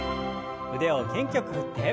腕を元気よく振って。